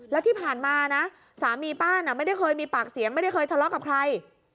แล้วที่ผ่านมานะสามีป้าน่ะไม่ได้เคยมีปากเสียงไม่ได้เคยทะเลาะกับใคร